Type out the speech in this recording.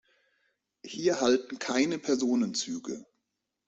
Hier halten keine Personenzüge.